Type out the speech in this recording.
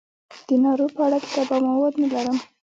د نارو په اړه کتاب او مواد نه لرم.